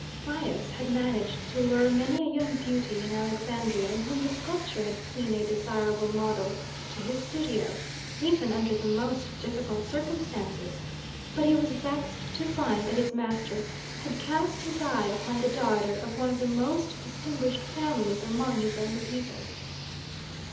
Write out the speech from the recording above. Bias had managed to lure many a young beauty in Alexandria, in whom the sculptor had seen a desirable model, to his studio, even under the most difficult circumstances; but he was vexed to find that his master had cast his eye upon the daughter of one of the most distinguished families among his own people.